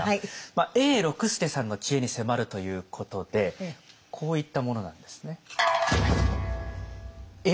永六輔さんの知恵に迫るということでこういったものなんですね。